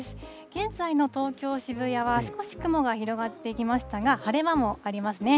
現在の東京・渋谷は、少し雲が広がってきましたが、晴れ間もありますね。